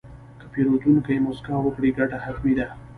که پیرودونکی موسکا وکړي، ګټه حتمي ده.